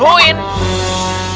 itu orang gak bergalak amat ya